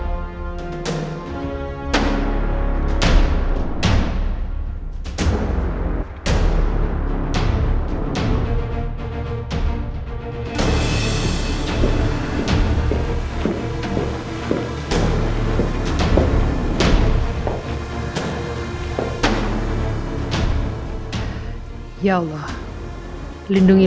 untuk membuat peme stipendian ini